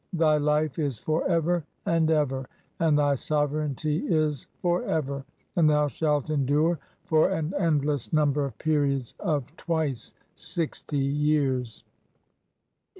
Thy life is for "ever and ever, and thy sovereignty is for ever, and "thou shalt endure for an endless number of periods "of twice sixty years."